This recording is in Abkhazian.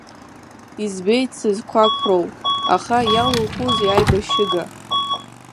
Избеит, сызқәақәроу, аха иалоухузеи аибашьыга.